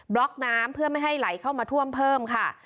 ล็อกน้ำเพื่อไม่ให้ไหลเข้ามาท่วมเพิ่มค่ะ